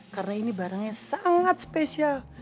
karena ini barangnya sangat spesial